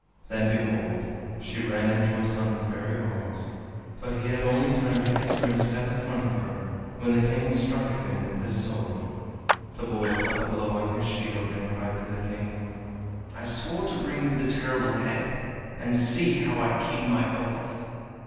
Then, behold! she ran into her son's very arms, but he had only time to kiss her and step in front of her, when the King struck at him with his sword. The boy caught the blow on his shield, and cried to the King: "I swore to bring you the Terrible Head, and see how I keep my oath!"